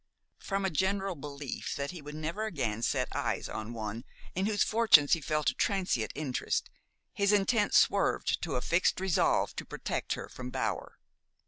From a general belief that he would never again set eyes on one in whose fortunes he felt a transient interest, his intent swerved to a fixed resolve to protect her from Bower.